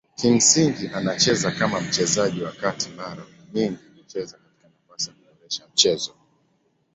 Kimsingi anacheza kama mchezaji wa kati mara nyingi kucheza katika nafasi kuboresha mchezo.